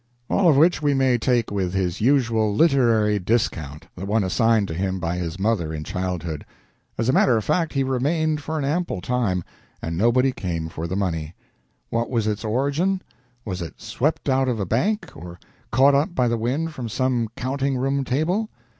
All of which we may take with his usual literary discount the one assigned to him by his mother in childhood. As a matter of fact, he remained for an ample time, and nobody came for the money. What was its origin? Was it swept out of a bank, or caught up by the wind from some counting room table?